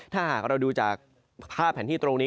ถ้าหากเราดูจากภาพแผนที่ตรงนี้